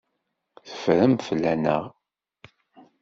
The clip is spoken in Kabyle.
Teffrem fell-aneɣ.